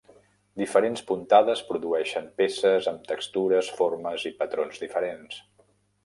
Diferents puntades produeixen peces amb textures, formes i patrons diferents.